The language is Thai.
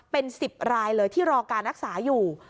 เป็น๑๐รายเลยที่รอการรักษาอยู่